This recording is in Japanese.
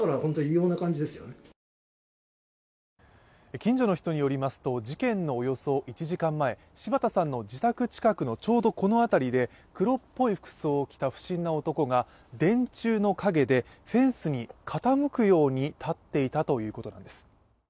近所の人によりますと、事件のおよそ１時間前柴田さんの自宅近くのちょうどこの辺りで黒っぽい服装を着た不審な男が電柱の陰でフェンスに傾くように立っていたということなんです。